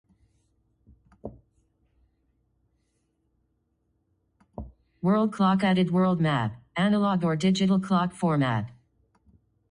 World clock added world map, Analog or Digital clock format.